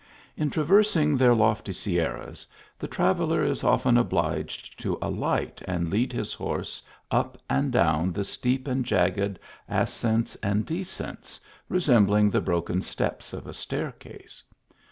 In traversing their lofty Sierras, the traveller is often obliged to alight and lead. his horse up and down the steep and jagged ascents and descents, resembling the broken steps of a staircase.